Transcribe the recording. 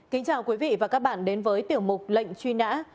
kính chào quý vị và các bạn đến với tiểu mục lệnh truy nã